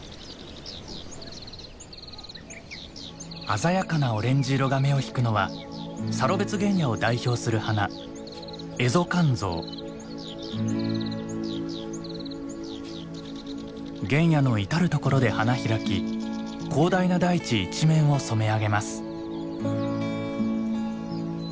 鮮やかなオレンジ色が目を引くのはサロベツ原野を代表する花原野の至る所で花開き広大な大地一面を染め上げます。